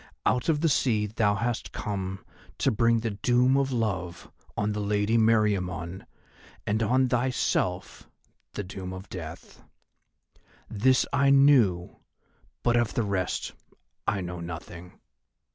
"Out of the sea thou hast come to bring the doom of love on the Lady Meriamun and on thyself the doom of death. This I knew, but of the rest I know nothing.